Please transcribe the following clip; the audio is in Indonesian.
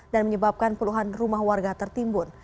dan menyebabkan puluhan rumah warga tertimbun